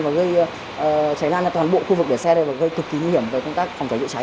và gây cháy lan vào toàn bộ khu vực để xe này và gây cực kỳ nhiễm về công tác phòng cháy chữa cháy